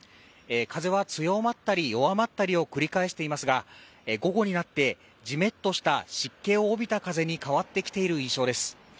風は強まったり弱まったりを繰り返していますが午後になってジメッとした湿気を帯びた風に変わってきている印象です。